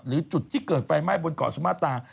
หรือจุดที่เกิดไฟไหม้บนเกาะสุมาตรา